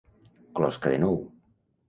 Closca de nou.